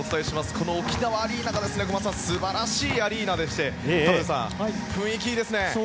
この沖縄アリーナが素晴らしいアリーナでして田臥さん、雰囲気いいですね。